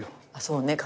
そうね。